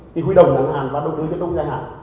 thì huy động ngân hàng và đầu tư chấp nhận dài hạn